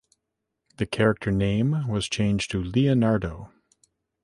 The character name was changed to Leonardo.